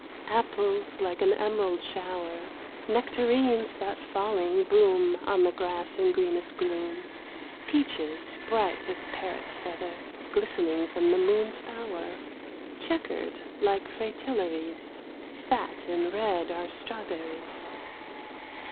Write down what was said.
Apples like an emerald shower, Nectarines that falling boom On the grass in greenest gloom, Peaches bright as parrot's feather Glistening from the moon's bower ; Chequered like fritillaries, Fat and red are strawberries.